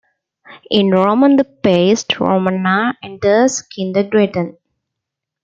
In "Ramona the Pest" Ramona enters kindergarten.